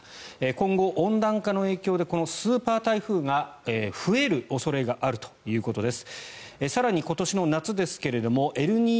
今後、温暖化の影響でこのスーパー台風が増える恐れがあるということです。